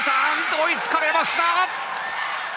追いつかれました！